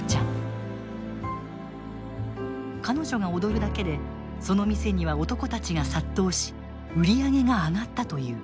彼女が踊るだけでその店には男たちが殺到し売り上げが上がったという。